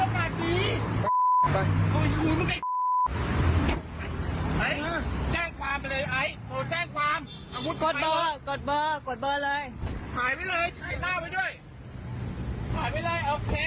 กดเบอร์กดเบอร์กดเบอร์เลย